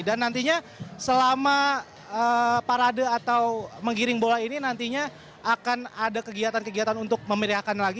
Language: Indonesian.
dan nantinya selama parade atau menggiring bola ini nantinya akan ada kegiatan kegiatan untuk memeriahkan lagi